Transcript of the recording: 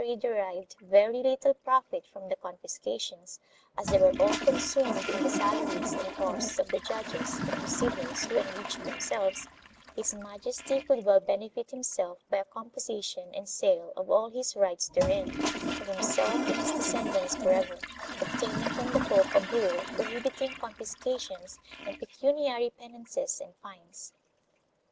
xxvi, ley 3 220 ESTABLISHMENT OF THE INQUISITION [BOOK I derived very little profit from the confiscations, as they were all consumed in the salaries and costs of the judges and receivers who enriched themselves, his Majesty could well benefit himself by a composition and sale of all his rights therein, for himself and his descendants for ever, obtaining from the pope a bull prohibit ing confiscations and pecuniary penances and fines.